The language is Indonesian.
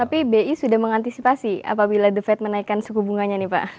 tapi bi sudah mengantisipasi apabila the fed menaikkan suku bunganya nih pak